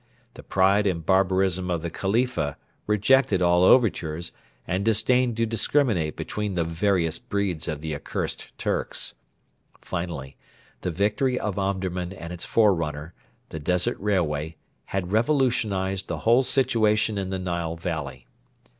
The pride and barbarism of the Khalifa rejected all overtures and disdained to discriminate between the various breeds of the accursed 'Turks.' Finally, the victory of Omdurman and its forerunner the Desert Railway had revolutionised the whole situation in the Nile valley.